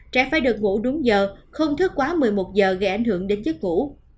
trẻ phải được ngủ đúng giờ không thức quá một mươi một giờ gây ảnh hưởng đến chất ngủ